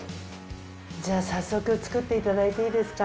じゃあ早速作っていただいていいですか？